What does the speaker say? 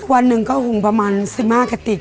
วันหนึ่งก็หุงประมาณ๑๕กระติก